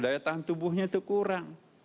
daya tahan tubuhnya itu kurang